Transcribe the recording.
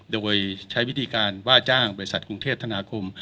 โดยใช้วิธีการว่าจ้างบริษัทกรุงเทพธนาคม